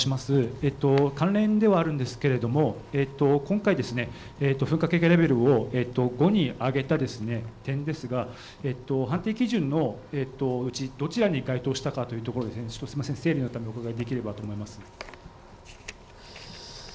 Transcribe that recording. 関連ではあるんですけれども今回、噴火警戒レベルを５に上げた点ですが安定基準のうちどちらに該当したかというところで整理のためお伺いできればと思います。